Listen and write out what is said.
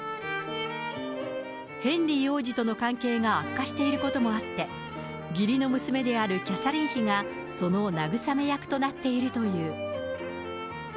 ヘンリー王子との関係が悪化していることもあって、義理の娘であるキャサリン妃が、その慰め役となっているという。